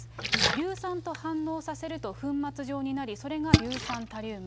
硫酸と反応させると粉末状になり、それが硫酸タリウム。